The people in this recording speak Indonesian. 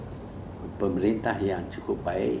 jadi saya menggunakan asas asas yang cukup baik